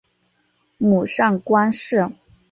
母上官氏。